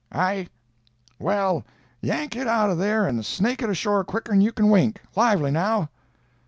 "'Ai.' "'Well, yank it out of there and snake it ashore quicker'n you can wink. Lively, now!'